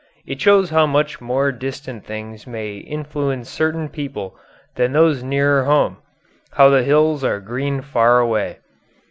It shows how much more distant things may influence certain people than those nearer home how the hills are green far away.